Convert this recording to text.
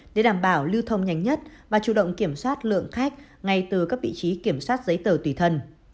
để đảm bảo lưu thông nhanh nhất và chủ động kiểm soát lượng khách ngay từ các vị trí kiểm soát giấy tờ tùy thân